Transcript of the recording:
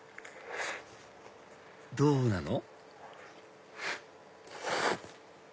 どうなの？